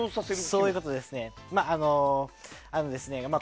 そういうことです。